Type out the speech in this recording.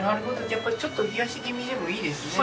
やっぱりちょっと冷やし気味でもいいですね。